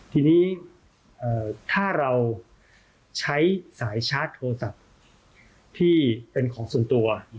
ทีนี้ถ้าเราใช้สายชาร์จโทรศัพท์ที่เป็นของส่วนตัว